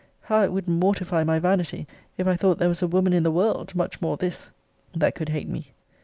How it would mortify my vanity, if I thought there was a woman in the world, much more this, that could hate me!